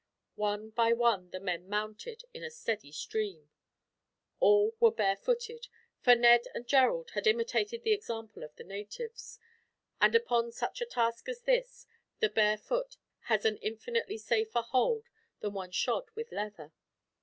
One by one the men mounted, in a steady stream. All were barefooted, for Ned and Gerald had imitated the example of the natives; and upon such a task as this, the bare foot has an infinitely safer hold than one shod with leather.